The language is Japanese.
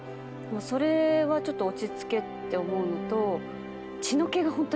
それはちょっと落ち着けって思うのと。